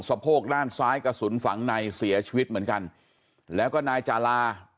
โพกด้านซ้ายกระสุนฝังในเสียชีวิตเหมือนกันแล้วก็นายจารา